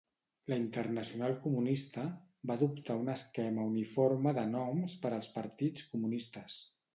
La Internacional Comunista va adoptar un esquema uniforme de noms per als partits comunistes.